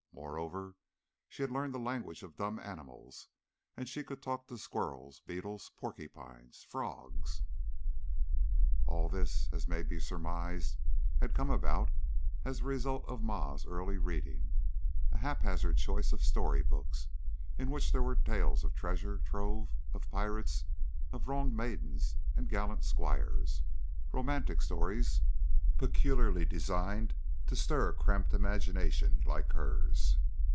Moreover, she had learned the language of dumb animals and could talk to squirrels, beetles, porcupines, frogs. All this, as may be surmised, had come about as the result of Ma's early reading: a haphazard choice of story books, in which were tales of treasure trove, of pirates, of wronged maidens and gallant squires romantic stories peculiarly designed to stir a cramped imagination like hers.